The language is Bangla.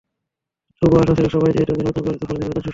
তবু আশা ছিল, সবাই যেহেতু নির্বাচন করছে, ফলে নির্বাচন সুষ্ঠু হবে।